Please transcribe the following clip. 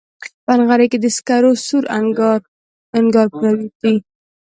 په نغري کې د سکرو سور انګار پرېوتی